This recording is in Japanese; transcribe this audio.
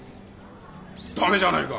駄目じゃないか。